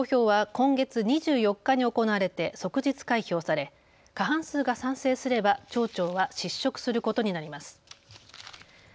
投票は今月２４日に行われて即日開票され過半数が賛成すれば町長は失職することになります。